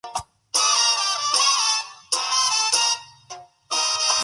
Esta entidad obtuvo la independencia con la ayuda del cyborg Zero.